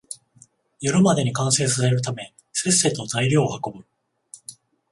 夜までに完成させるため、せっせと材料を運ぶ